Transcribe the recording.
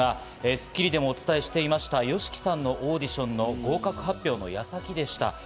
『スッキリ』でもお伝えしていました、ＹＯＳＨＩＫＩさんのオーディションの合格発表の矢先でした。